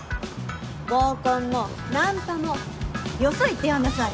合コンもナンパもよそ行ってやんなさい！